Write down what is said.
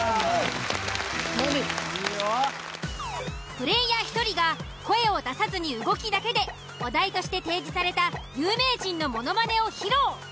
プレイヤー１人が声を出さずに動きだけでお題として提示された有名人のものまねを披露！